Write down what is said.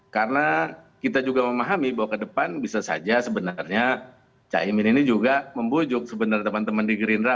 karena kita juga memahami bahwa ke depan bisa saja sebenarnya caimin ini juga membujuk sebenarnya teman teman di gerindra